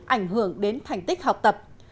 ảnh hưởng đến thành tích học tập